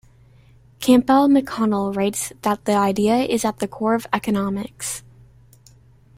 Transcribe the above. Campbell McConnell writes that the idea is "at the core of economics".